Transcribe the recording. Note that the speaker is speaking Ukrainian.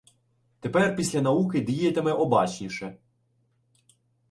Тепер, після науки, діятиме обачніше.